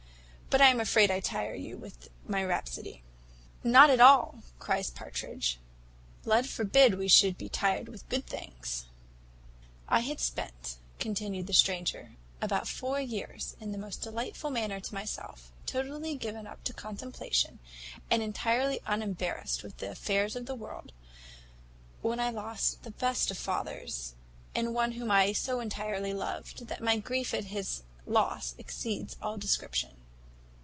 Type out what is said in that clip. But I am afraid I tire you with my rhapsody." "Not at all," cries Partridge; "Lud forbid we should be tired with good things!" "I had spent," continued the stranger, "about four years in the most delightful manner to myself, totally given up to contemplation, and entirely unembarrassed with the affairs of the world, when I lost the best of fathers, and one whom I so entirely loved, that my grief at his loss exceeds all description.